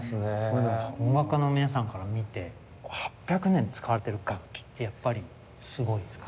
音楽家の皆さんから見て８００年使われてる楽器ってやっぱりすごいですか？